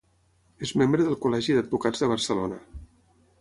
És membre del col·legi d'advocats de Barcelona.